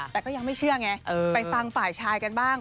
แต่ก็ยังไม่เชื่อไงไปฟังฝ่ายชายกันบ้าง